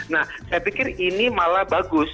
nah saya pikir ini malah bagus